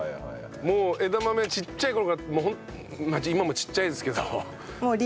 もう枝豆ちっちゃい頃からまあ今もちっちゃいですけど。